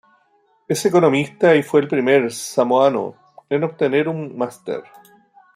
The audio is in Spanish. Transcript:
Es economista y fue el primer samoano en obtener un Máster.